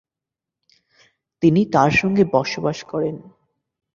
তিনি তার সঙ্গে বসবাস করেন।